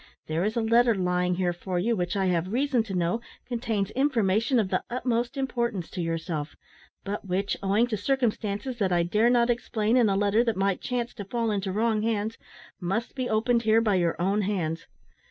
There is a letter lying here for you, which, I have reason to know, contains information of the utmost importance to yourself; but which owing to circumstances that I dare not explain in a letter that might chance to fall into wrong hands must be opened here by your own hands.